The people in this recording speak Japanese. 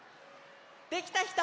できたひと？